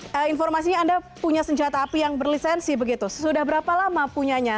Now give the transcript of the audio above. oke informasinya anda punya senjata api yang berlisensi begitu sudah berapa lama punyanya